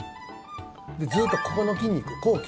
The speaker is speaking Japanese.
ずっとここの筋肉、咬筋。